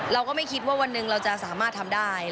เราก็ไม่คิดว่าวันหนึ่งเราจะสามารถทำได้